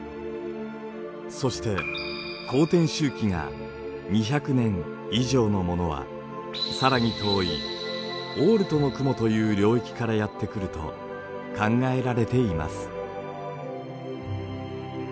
そして公転周期が２００年以上のものは更に遠いオールトの雲という領域からやって来ると考えられています。